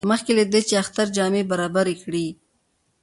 مخکې له دې چې د اختر جامې برابرې کړي.